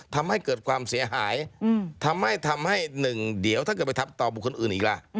ทำให้เกิดความเสียหายทำให้ทำให้หนึ่งเดี๋ยวถ้าเกิดไปทำต่อบุคคลอื่นอีกล่ะ